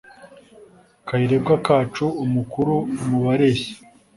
Kayirebwa kacu Umukuru mu bareshya